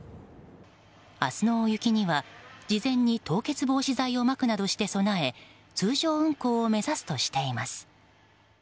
明日の大雪には事前に凍結防止剤をまくなどして備え通常運行を目指すとしています。